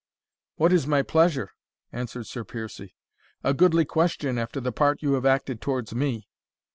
"What is my pleasure!" answered Sir Piercie; "a goodly question after the part you have acted towards me!